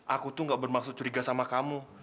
aku tuh gak bermaksud curiga sama kamu